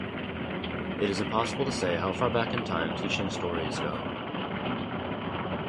It is impossible to say how far back in time teaching stories go.